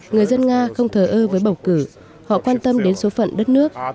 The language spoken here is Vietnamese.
người dân nga không thờ ơ với bầu cử họ quan tâm đến số phận đất nước